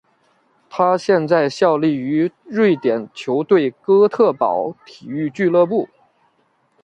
他现在效力于瑞典球队哥特堡体育俱乐部。